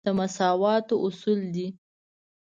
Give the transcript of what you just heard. د مساواتو اصول دی.